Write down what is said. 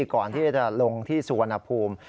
ก่อนที่จะลงที่สุวรรณภูมิ